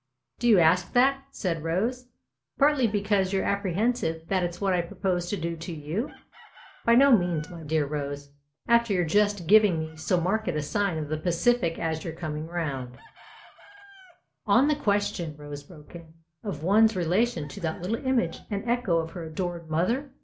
" Do you ask that," said Rose, " partly because you're apprehensive that it's what I propose to do to you ?"" By no means, my dear Rose, after your just giving me so marked a sign of the pacific as your coming round " "On the question," Rose broke in, "of one's relation to that little image and echo of her adored mother